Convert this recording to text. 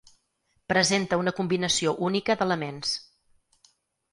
Presenta una combinació única d'elements.